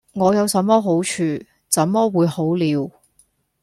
我有什麼好處，怎麼會「好了」？